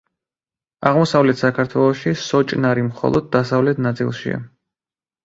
აღმოსავლეთ საქართველოში სოჭნარი მხოლოდ დასავლეთ ნაწილშია.